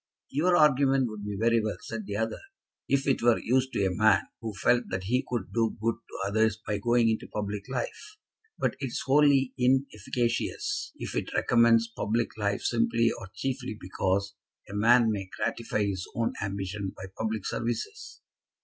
"Your argument would be very well," said the other, "if it were used to a man who felt that he could do good to others by going into public life. But it is wholly inefficacious if it recommends public life simply or chiefly because a man may gratify his own ambition by public services."